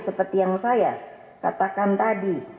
seperti yang saya katakan tadi